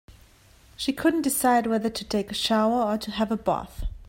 She couldn't decide whether to take a shower or to have a bath.